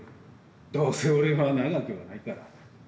どうせ俺は長くはないから。